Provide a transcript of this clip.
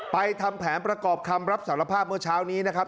ทำแผนประกอบคำรับสารภาพเมื่อเช้านี้นะครับ